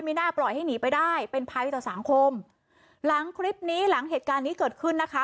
น่าปล่อยให้หนีไปได้เป็นภัยต่อสังคมหลังคลิปนี้หลังเหตุการณ์นี้เกิดขึ้นนะคะ